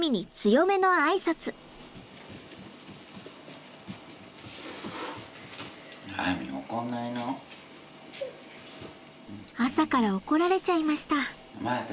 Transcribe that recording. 朝から怒られちゃいました。